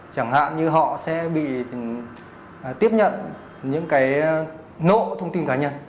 chẳng hạn như họ sẽ bị tiếp nhận những nộ thông tin cá nhân